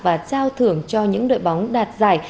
và trao thưởng cho những đội bóng đạt giải